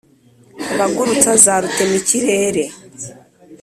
Abagurutsa za rutemikirere